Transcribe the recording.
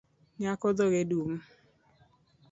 Nyako dhoge dum